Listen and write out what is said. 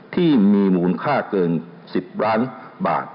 ที่มีมูลค่าเกิน๑๐ล้านบาท